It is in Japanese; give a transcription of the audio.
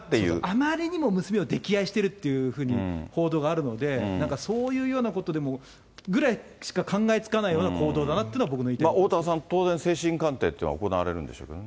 あまりにも娘を溺愛してるっていう報道があるので、なんかそういうようなことでもぐらいしか考えつかないような行動おおたわさん、当然、精神鑑定っていうのは行われるんでしょうね。